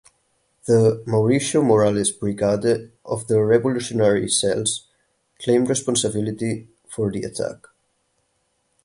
The Mauricio Morales Brigade of the Revolutionary Cells claimed responsibility for the attack.